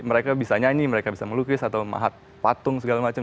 mereka bisa nyanyi mereka bisa melukis atau memahat patung segala macam